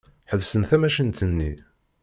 Ḥebsen tamacint-nni.